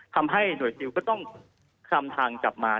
ทำให้หน่วยซิลก็ต้องคลำทางกลับมา